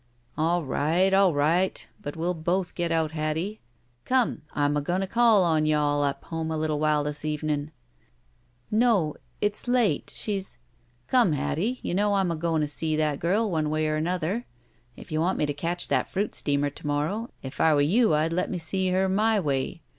'" "All right. All right. But we'll both get out, Hattie. Come, I'm a goin' to call on you all up home a little while this evenin' !" "No. It's late. She's—" "Come, Hattie, you know I'm a goin* to see that girl one way or another. If you want me to catch that fruit steamer to morrow, if I were you I'd let me see her my way.